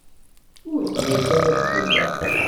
Ur ɣlayet ara tgella.